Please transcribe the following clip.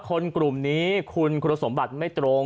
คนกลุ่มนี้คุณคุณสมบัติไม่ตรง